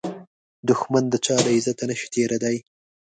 دښمن د چا له عزته نشي تېریدای